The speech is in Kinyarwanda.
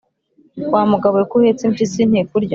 "Wa mugabo we ko uhetse impyisi ntikurya?"